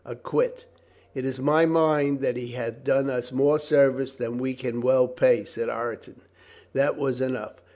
Acquit." "It is my mind that he hath done us more service than we can well pay," said Ireton. That was enough.